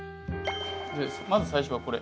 まず最初はこれ。